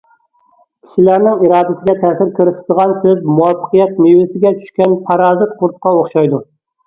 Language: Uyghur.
كىشىلەرنىڭ ئىرادىسىگە تەسىر كۆرسىتىدىغان سۆز مۇۋەپپەقىيەت مېۋىسىگە چۈشكەن پارازىت قۇرتقا ئوخشايدۇ.